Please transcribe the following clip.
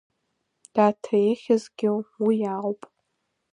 Даҭа ихьызгьы уи ауп.